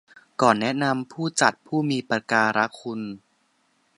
ก่อนแนะนำผู้จัดผู้มีอุปการคุณ